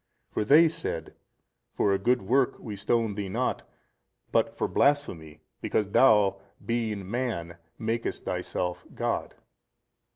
For they said, For a good work we stone Thee not but for blasphemy because THOU being man makest Thyself God.